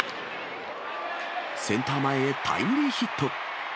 センター前へタイムリーヒット。